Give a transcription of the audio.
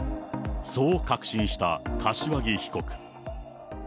そう確信した柏木被告。